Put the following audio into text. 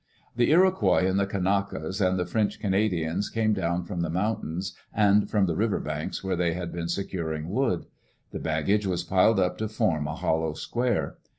The Iroquois and the Kanakas and the French Cana dians came down from the mountains and from the river banks where they had been securing wood. The baggage was piled up to form a hollow square.